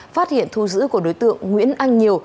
phát hiện thu giữ của đối tượng nguyễn anh nhiều